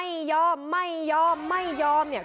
ที่บอกไม่ยอมไม่ยอมไม่ยอม